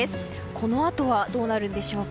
このあとどうなるでしょうか。